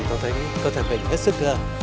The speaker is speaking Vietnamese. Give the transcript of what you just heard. tôi thấy cơ thể mình hết sức